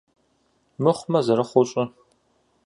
Мыхъумэ зэрыхъуу щӏы.